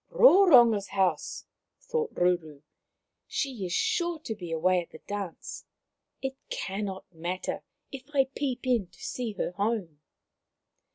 " Roronga's house !" thought Ruru. " She is sure to be away at the dance. It cannot matter if I peep in to see her home."